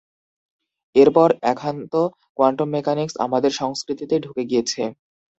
এরপর এখনতো quantum mechanics আমাদের সংস্কৃতিতেই ঢুকে গিয়েছে।